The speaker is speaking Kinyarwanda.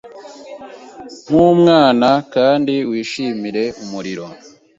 nkumwana Kandi wishimire umuriro